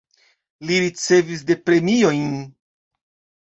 Li ricevis de premiojn.